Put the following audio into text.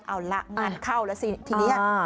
เอาละงานเข้าแล้วสิทีนี้